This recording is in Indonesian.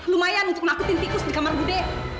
lumayan untuk mengakutin tikus di kamar budi